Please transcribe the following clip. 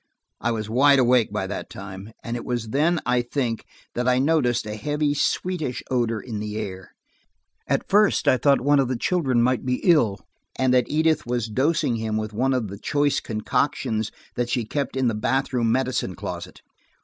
I was wide awake by that time, and it was then, I think, that I noticed a heavy, sweetish odor in the air. At first I thought one of the children might be ill, and that Edith was dosing him with one of the choice concoctions that she kept in the bath room medicine closet.